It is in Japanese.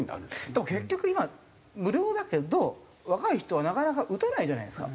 でも結局今無料だけど若い人はなかなか打たないじゃないですか？